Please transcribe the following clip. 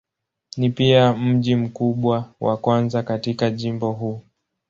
Ni pia mji mkubwa wa kwanza katika jimbo huu.